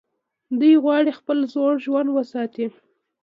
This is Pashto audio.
دوی غواړي خپل زوړ ژوند وساتي.